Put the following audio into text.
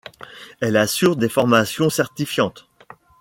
Elle assure des formations certifiantes.